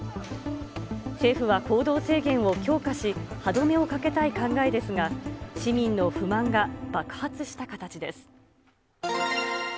政府は行動制限を強化し、歯止めをかけたい考えですが、市民の不満が爆発した形です。